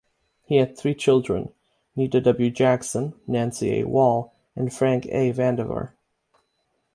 He had three children, Nita W. Jackson, Nancy A. Wahl, and Frank A. Vandiver.